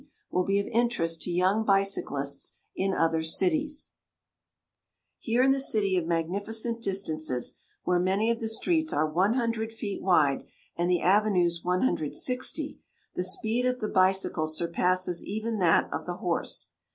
will be of interest to young bicyclists in other cities: Here in the City of Magnificent Distances, where many of the streets are 100 feet wide and the avenues 160, the speed of the bicycle surpasses even that of the horse.